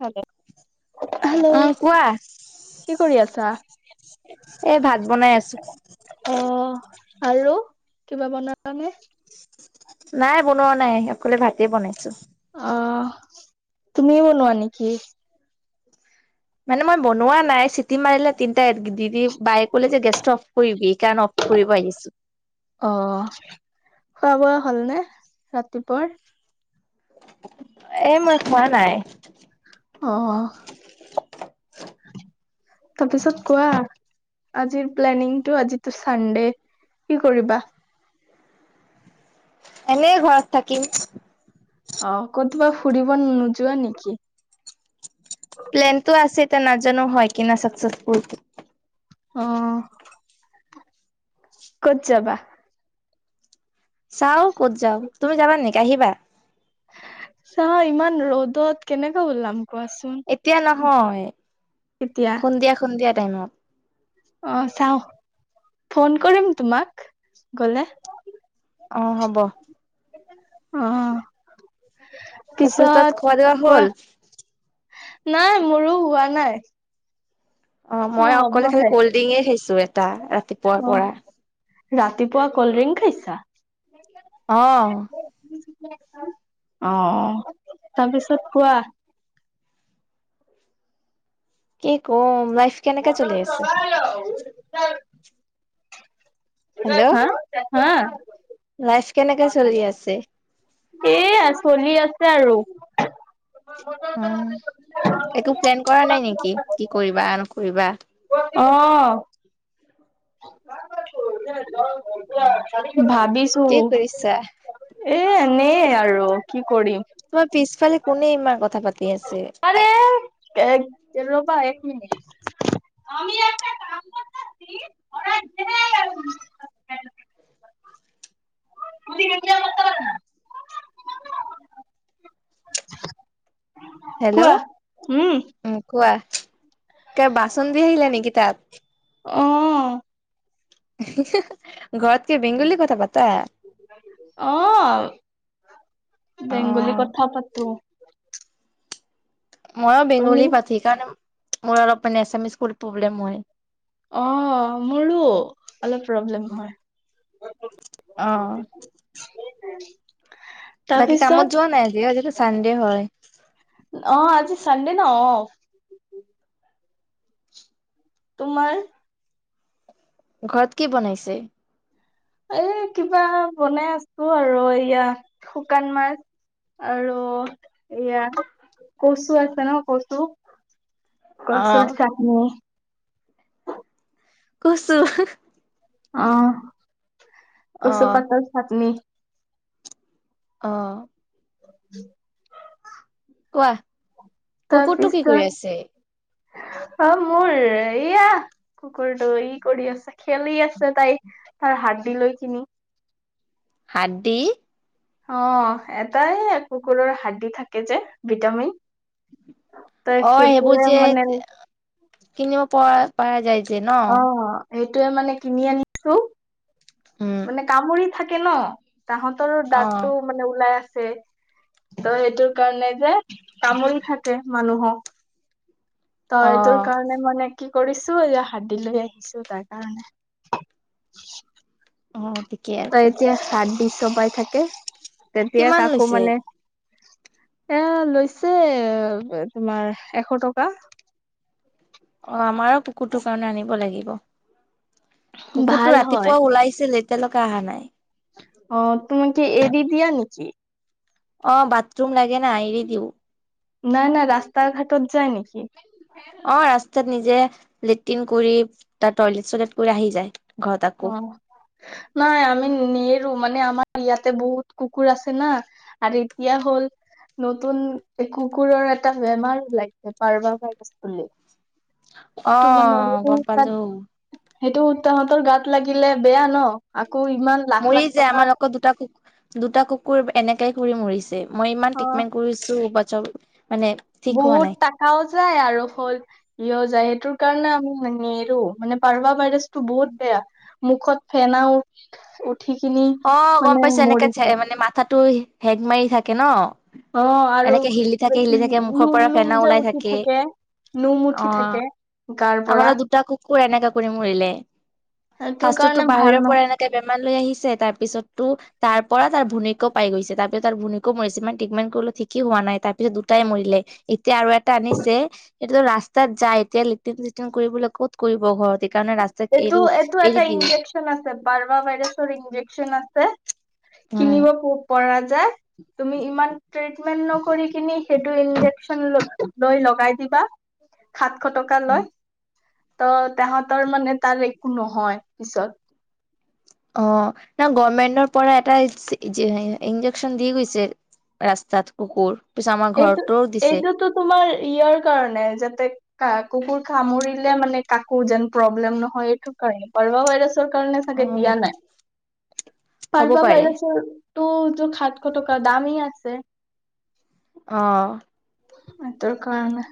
[unintelligible] Hello, উম কোৱা কি কৰি আছা? এই ভাত বনাই আছো অ'। আৰু? কিবা বনালানে? নাই, বনোৱা নাই। অকলে ভাতে বনাইছোঁ। অ'। তুমি বনোৱা নেকি? মানে মই বনোৱা নাই, চিটি মাৰিলে তিনটা দি দি বায়ে ক'লে যে গেছটো অফ কৰিবি। এইকাৰণে অফ কৰিব আহিছো। খোৱা-বোৱা হ'লনে? ৰাতিপুৱাৰ এ মই খোৱা নাই। অ'। তাৰপিছত কোৱা, আজিৰ প্লেনিংটো আজিটো চানডে কি কৰিবা? এনে ঘৰত থাকিম। অ' কতবা ফুৰিব নোযোৱা নেকি? প্লানটো আছে ইতা নাজানো হয় কি না চাকচেচফুল! অ' ক'ত যাবা? চাও ক'ত যাও, তুমি যাবা নেকি আহিবা? চাহ ইমান ৰ'দত কেনেকা ওলাম? কোৱাচোন? এতিয়া নহয়। কেতিয়া সন্ধিয়া-সন্ধিয়া টেনত অ' চাও। ফোন কৰিম তোমাক গ'লে অ' হ'ব। অ' তাৰপিছত পিছত খোৱা দোৱা কোৱা। হ'ল নাই মোৰো হোৱা নাই। [inaudible] অ' মই অকলে খালি কল্ড-ড্ৰিঙেই খাইছো এটা, ৰাতিপুৱাৰ অ। পৰা। ৰাতিপুৱা কল্ডড্ৰিংক খাইছা? অ'। অ'। তাৰপিছত কোৱা। কি ক'ম? লাইফ কেনেকা চলি আছে? [unintelligible] [unintelligible] হেল্ল' হা হা লাইফ কেনেকা চলি আছে? এয়া চলি আছে আৰু। উম। একো প্লেন কৰা নাই নেকি? কি কৰিবা নকৰিবা! অ' [unintelligible] ভাবিছো। কি কৰিছা এ ইনেই আৰু, কি কৰিম। সিফালে কোনে ইমান কথা পাতি আছে? আৰে [unintelligible] এ ৰ'বা এক মিনিট। আমি একটা কাম কৰতাচি [unintelligible] [unintelligible] কোৱা হেল্ল', উম কোৱা [unintelligible] বাচন ধুই আহিলা নেকি তাত? অ' ঘৰত কি বেংগলী কথা পাত? অ' অ বেংগলী কথা পাতোঁ। ময়ো তুমি বেংগলী [unintelligible] মোৰ অলপ মানে এছামিস কবলে প্ৰব্লেম হয়। অ', মোৰো অলপ প্ৰব্লেম হয়। অ' বাকী কামত তাৰপিছত যোৱা নাই আজি? আজিতো চানডে হয়। অ আজি চানডে না অফ। তোমাৰ? ঘৰত কি বনাইছে? এই কিবা বনাই আছোঁ আৰু এয়া শুকান মাছ আৰু এয়া কচু আছে ন কচু অ কচুৰ চাটনি। কচু অ' অ কচু পাতৰ চাটনি অ' [inaudible] কোৱা কুকুৰটো কি তাৰপিছত কৰি আছে? অ' মোৰ এয়া কুকুৰটো ই কৰি আছে। খেলি আছে তাই, তাৰ হাৰ্ডি লৈ কিনি। হাড্ডি? অ', এটা এয়া কুকুৰৰ হাড্ডী থাকে যে ভিটামিন তই অ' সেইটোৱে সেইবোৰ যে, মানে কিনিব পৰা পাৰা যায় যে [unintelligible] সেইটোয়ে মানে কিনি আনিছোঁ উম, মানে [unintelligible] থাকে ন? তাহাঁতৰ অ ডাক তটো মানে ওলাই ত' সেইটো কাৰণে যে তামোল থাকে মানুহক অ তই তোৰকাৰণে মানে, কি কৰিছো, এয়া হাদ্দি লৈ আহিছো তাৰ কাৰণে। অ', ঠিকে তই আছে এতিয়া সাত দিছ? চোবাই থাকে। তেতিয়া কিমান কাকো লৈছে? মানে, এ', লৈছে তোমাৰ এশ টকা। অ', আমাৰ কুকুৰটোৰ কাৰণে আনিব লাগিব। ক ভাল কুকুৰতটো হয় ৰাতিপুৱা ওলাইছিল তেলোকে অহা নাই অ তুমাক কি এই দি দিয়া নেকি অ বাথৰুম লাগে না এৰি দিওঁ নাই নাই ৰাস্তা ঘাাটত যায় নেকি অ ৰাস্তাত নিজে লেট্ৰিন কৰি তাৰ টয়লেট চয়লেট কৰি আহি যায় ঘৰত আকৌ অ নাই আমি নৰো মানে আমাৰ ইয়াতে বহুত কুকুৰ আছে না আৰু এতিয়া হ'ল নতুন কুকুৰৰ এটা বেমাৰো লাগে কাৰ্বা ভাইৰাছ বুলি ত মানে অ গম সটোত পালো। সেইটো তাহতৰ গাত গাত লাগিলে বেয়া ন আকৌ ইমান লাখ মৰি লাখ যায় টকা আমাৰ আকৌ দুটা কুকুৰ- দুটা কুকুৰ এনেকে কৰি মৰিছে। মই ইমান অ ট্ৰিটমেণ্ট কৰিছো, চল। বহুত টকাও যায় আৰু ফল সিও যায় সেইটোৰ কাৰণে আমি নেৰো মানে পাৰা ভাইৰাছ টো বহুত বেয়া মুখত ফেনা উঠ উঠ অ গম পাইছো এনেকে মানে মাথাটো হেগ মাৰি থাকে ন অ আৰু এনেকে হিলি ব থাকে হিলি থাকে মুখৰ নোম পৰা নোম ফেনা যে ওলাই উঠি থাকে নোম অ উঠি থাকে গাৰ পৰা কক এনে কাকুৰি মৰিলে সেইটোৰ ফাসুতো কাৰণে ভাল বাহিৰৰ নহ পৰা এনেকে বেমাৰ লৈ আহিছে তাৰপিছতো তাৰ পৰা তাৰ ভূনিকও পাই গৈছে তাৰপিছত তাৰ ভূনিকও মৰিছে ইমান ট্ৰিটমেণ্ট কৰিলে ঠিকেই হোৱা নাই তাৰপিছত দুটাই মৰিলে এতিয়া আৰু এটা আনিছে এতিয়া ৰাস্তাত যায় এতিয়া লেট্ৰিন চিট্ৰিন কৰিবলৈ ক'ত কৰিব ঘৰত সেইকাৰণে ৰাস্তাত এইটো এৰো এইটো এৰি এটা দিও ইন্জেকশ্যন আছে বাৰভা ভাইৰাছৰ ইঞ্জেকচন ইনজেকশ্যন আছে উম কিনিব পৰা তুমি ইমান সেইটো ইন্জেকচন লৈ লৈ লগাই দিবা এশ টকা উম লয় ত তেহঁতৰ মানে তাৰ একো নহয় পিছত অ ন গভমেটৰ পৰা এটা ইঞ্জেকচন দি গৈছে ৰাস্তাত কুকুৰ পিছত আমাৰ এইটো ঘৰতো দিছে এইটোতো তোমাৰ ইয়াৰ কাৰণে যাতে কাক কুকুৰ সামুৰিলে মানে কাকো যেন প্ৰব্লেম নহয় এইটো কাৰণে পভা ভাইৰাছ চৰকাৰে অ চাগে দিয়া নাই হ'ব প্বা পাৰে ভাইৰাছৰ ইটো যোৰ সাতশ টকা দামি আছে অ সেইটো‌ কাৰণে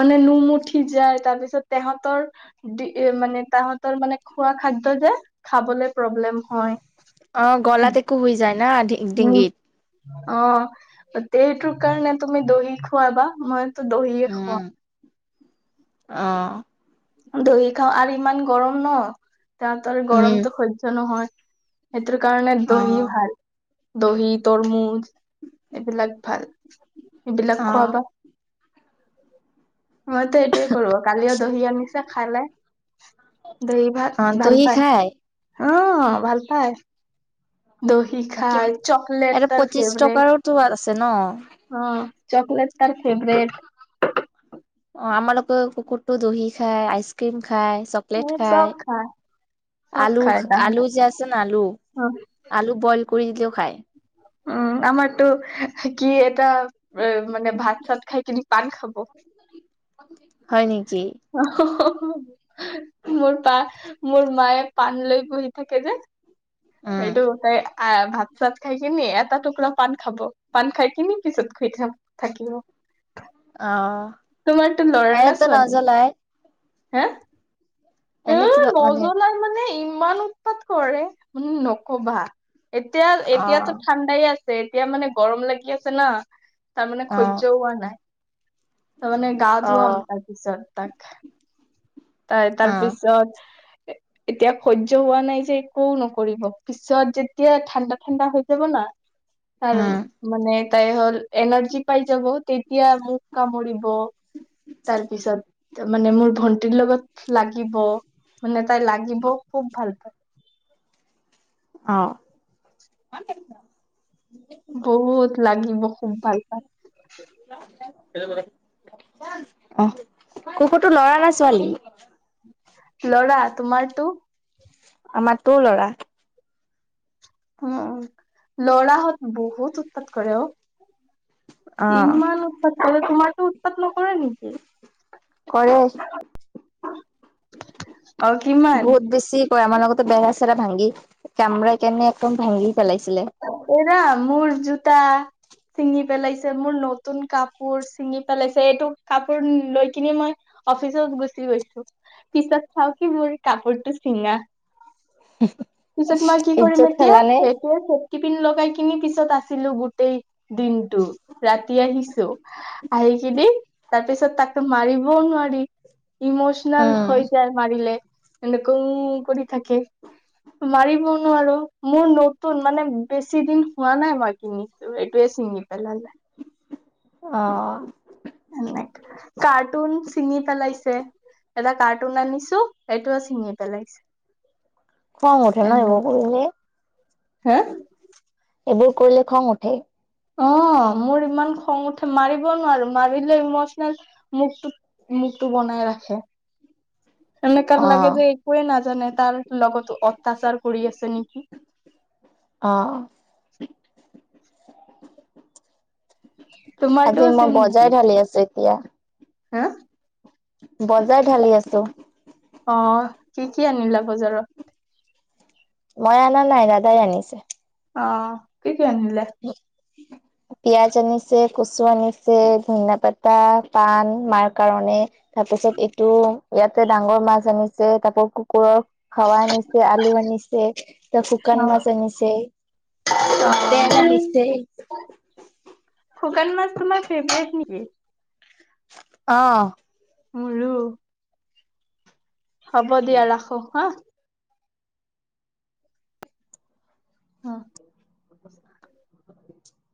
মানে নোম উঠি যায় তাৰ পিছত তাহতৰ মানে তাহতৰ মানে খোৱা খাদ্য যে খাবলে প্ৰব্লেম হয় অ গলাত একো হৈ যায় না উম ডিংগিত অ সেইটো কাৰণে তুমি দহি খুৱাবা মই তো দহিয়ে উম খোৱা অ দহি খাওঁ আৰু ইমান গৰম ন তাত আৰু উম গৰমটো সহ্য নহয় সেইটোৰ কাৰণে অ দহি ভাল দহি তৰমুজ এইবিলাক ভাল এইবিলাক খোৱাবা অ মইতো এইটোয়ে কৰো কালি আৰু দহি আনিছো খালে দহি ভাত অ ভাল দহি পায় খাই অ ভাল পাই দহি কি খায় চকলেট তাৰ ফেভৰেট তে ন অ চকলেট তাৰ ফেভৰেট অ আমাৰালোক কুকুৰটো দহ খায় আইচক্ৰিম খাই চকলেট খায় চব আলো খায় তাহাঁতে আলো যে আছে ন আলু অ আলু বইল কৰি দিলেও খাই উম আমাৰটো কি এটা মানে ভাত চাত খাই কিনি পান খাব হয় নেকি অ মোৰ পা মোৰ মায়ে পাণ লৈ বহি থাকে যে উম সেইটো তাই আহ ভাত চাত খাই কিনি এটা টুকুৰা পান খাব পান খাইিনি পিছত খু থ থাকিব অ তোমাৰতো ল'ৰা না এনেটা ছোৱালী নাজালাই হা এ মানে নজনাই মানে ই ইমান উৎপাত কৰে ম নকবা এতিয়া অ এতিয়াতো ঠাণ্ডাই আছে এতিয়া মানে গৰম লাগি আছে না তাৰমানে অ হৈয্য হোৱা নাই তাৰ মানে গা অ ধুৱাম তাৰ পিছত তাক ত অ তাৰপিছত এতিয়া সহ্য হোৱা নাই যে একোও নকৰিব পিছত যেতিয়া ঠাণ্ডা ঠাণ্ডা হৈ যাব না ত উম মানে তাই হ'ল এনাৰ্জি পাই যাব তেতিয়া মোক কামুৰি ব তাৰপিছত মানে মোৰ ভ লগত লাগিব মানে তাই লাগিব খুব ভাল পায় অ বহুত লাগিব খুব ভাল পাল [unintelligible] অ কুকুৰতটো লৰা না ছোৱালী লৰা তোমাৰটো আমাৰ তোৰ ল'ৰা উ লৰাহত বহুত উৎপাত কৰে অ অ ইমান উৎপাত কৰে তোমাৰটো উৎপাত নকৰে নেকি কৰে অ কিমান বহুত বেছি কৰে আমাৰ লগতো বেৰা চেৰা ভাঙি কামৰা কেনে একদম ভাংঙি [unintelligible] এৰা মোৰ জুত সুতা চিঙি পেলাইছে মোৰ নতুন কাপোৰ চিঙি পেলাইছে এইটো কাপোৰ লৈ কিনে মই অফিচত গুচি গৈছো পিছত চাওঁকি মোৰ কাপোৰটো চিঙা উম পিছেত তো মই কি কৰিম এতিয়া সেইটোৱে টিফিন লগাই কিনি পিছত আছিলোঁ গোটেই দিনটো ৰাতি আহিছো আহি কিনি তাৰপিছত তাকো মাৰিবও নোৱাৰি ইমোচনেল উম, হৈ যায় মাৰিলে এনেকে কৰি থাকে মাৰিব নোৱাৰো মোৰ নতুন মানে বেছি দিন হোৱা নাই মই কিনিছো এইটোৱে ছিঙি পেলালে অ এনেকে কাৰ্টুন ছিঙি পেলাইছে এটা কাৰ্টুন আনিছো এইটোও ছিঙি পেলাইছে খং উঠে ন এইবোৰ কৰিলে হা এইবোৰ কৰিলে খং উঠে অ মোৰ ইমান খং উঠে মাৰিব নোৱাৰো মাৰিলে ইমচনেল মুখটো মুখটো বনাই ৰাখে এনেকোৱা লাগে অ', যে একোৱেই ন জনে তাৰ লগত অত্যাচাৰ কৰি আছে নেকি অ তোমাৰতো আজি মই চেম নেকি বজাৰ ঢালি আছো আ হা বজাৰ ঢালি আছোঁ অ কি কি আনিলা বজাৰত মই অনা নাই দাদাই আনিছে অ কি কি আনিলে উ উ [unintelligible] পিঁয়াজ আনিছে কচু আনিছে ধুনীয়া পাতা পাণ মাৰ কাৰণে তাৰপিছত এইটো ইয়াতে ডাঙৰ মাছ আনিছে তাৰপৰা কুকুৰৰ খোৱা আনিছে আলু আনিছে ত শুকান অ মাছ আনিছে এতিয়া অ নিশ্চয় শুকান মাছ তোমাৰ ফেভৰেট নেকি অ মোৰো হ'ব দিয়া ৰাখো হা অ [unintelligible]